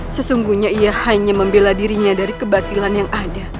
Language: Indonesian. sesungguhnya ia hanya membela dirinya dari kebatilan yang ada